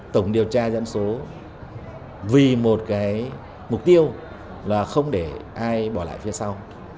tổng điều tra dân số vì một cái mục tiêu là không để ai bỏ lại phía sau